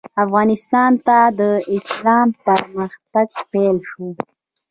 افغانستان ته د اسلام پرمختګ پیل شو.